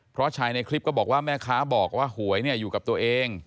เพราะชายในคลิปก็บอกว่าแม่ค้าบอกว่าหวยอยู่กับตัวเอง